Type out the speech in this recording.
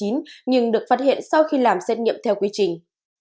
nhưng được phát hiện sau khi làm xét nghiệm theo quy trình